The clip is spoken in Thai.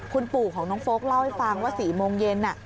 คุณปู่ของน้องโฟลกเล่าให้ฟังว่า๔โมงเย็น